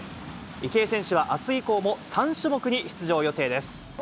池江選手はあす以降も、３種目に出場予定です。